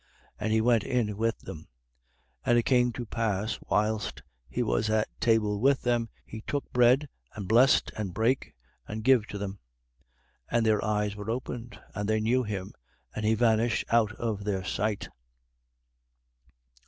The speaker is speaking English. And he went in with them. 24:30. And it came to pass, whilst he was at table with them, he took bread and blessed and brake and gave to them. 24:31. And their eyes were opened: and they knew him. And he vanished out of their sight.